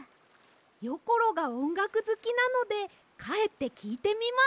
よころがおんがくずきなのでかえってきいてみます！